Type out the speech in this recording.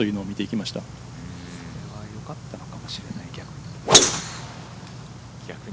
それはよかったのかもしれない逆に。